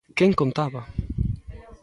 Quen contaba!